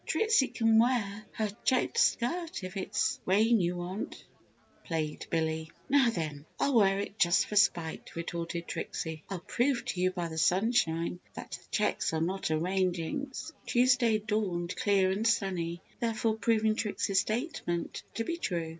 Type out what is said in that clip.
"Trixie can wear her checked skirt if it's rain you want," plagued Billy. "Now then, I'll wear it just for spite!" retorted Trixie. "I'll prove to you by the sunshine that the checks are not a rain jinx!" Tuesday dawned clear and sunny, therefore proving Trixie's statement to be true.